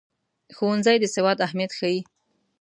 ښوونځی د سواد اهمیت ښيي.